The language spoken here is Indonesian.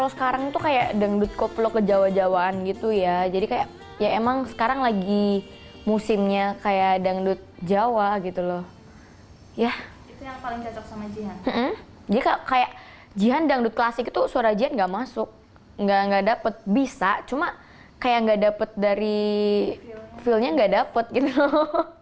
suara jihan gak masuk gak dapet bisa cuma kayak gak dapet dari feelnya gak dapet gitu loh